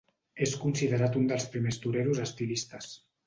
És considerat un dels primers toreros estilistes.